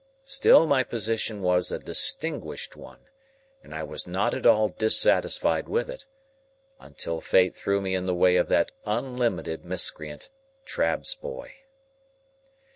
Still my position was a distinguished one, and I was not at all dissatisfied with it, until Fate threw me in the way of that unlimited miscreant, Trabb's boy.